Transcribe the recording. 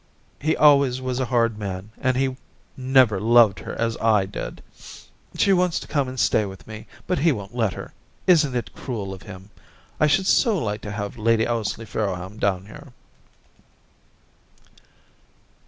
He always was a hard man, and he never loved her as I did. She wants to come and stay with me, but he won't let her. Isn't it cruel of him ? I should so like to have Lady Ously Farrowham down here.'